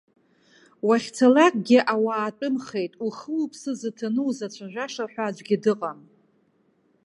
Уахьцалакгьы ауаа тәымхеит, ухы-уԥсы зыҭаны узацәажәаша ҳәа аӡәгьы дыҟам.